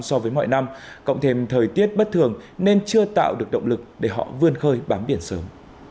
so với mọi năm cộng thêm thời tiết bất thường nên chưa tạo được động lực để họ vươn khơi bám biển sớm